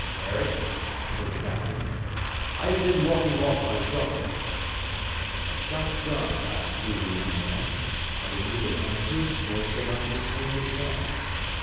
'Herrick,' said the captain, 'I've been walking off my trouble.' A sharp jar passed through the young man, but he neither answered nor so much as turned his head.